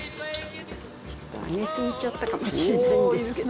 揚げすぎちゃったかもしれないんですけど。